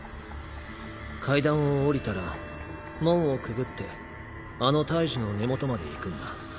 階段を下りたら門をくぐってあの大樹の根元まで行くんだ。